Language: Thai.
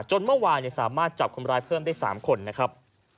เมื่อวานสามารถจับคนร้ายเพิ่มได้๓คนนะครับ